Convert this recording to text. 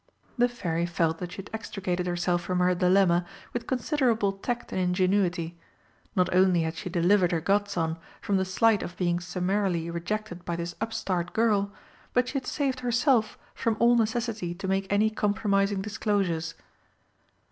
The Fairy felt that she had extricated herself from her dilemma with considerable tact and ingenuity. Not only had she delivered her godson from the slight of being summarily rejected by this upstart girl, but she had saved herself from all necessity to make any compromising disclosures.